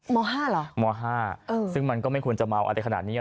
ม๕หรอม๕ซึ่งมันก็ไม่ควรจะเมาอันตรายขนาดนี้เนอะ